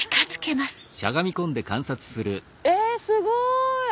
えすごい！